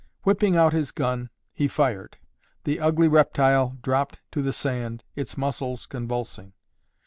_" Whipping out his gun, he fired. The ugly reptile dropped to the sand, its muscles convulsing.